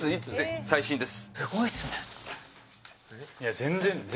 最新です。